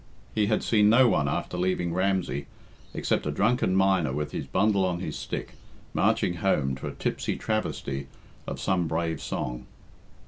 He had seen no one after leaving Ramsey, except a drunken miner with his bundle on his stick, marching home to a tipsy travesty of some brave song.